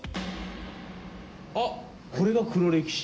あっこれが黒歴史。